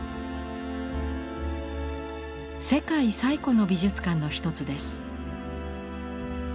世界最古の美術館の一つです。